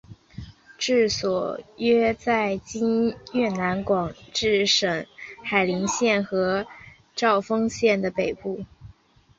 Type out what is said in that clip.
治所约在今越南广治省海陵县和肇丰县的北部。